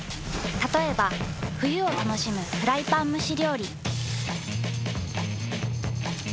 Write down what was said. たとえば冬を楽しむフライパン蒸し料理。